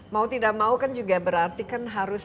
mau tidak mau kan juga berarti kan harus